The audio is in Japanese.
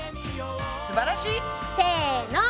すばらしい！せの！